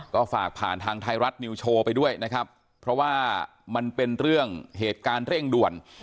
ก็ฝากผ่านทางไทยรัฐนิวโชว์ไปด้วยนะครับเพราะว่ามันเป็นเรื่องเหตุการณ์เร่งด่วน